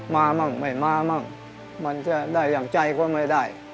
มั่งไม่มามั่งมันจะได้อย่างใจก็ไม่ได้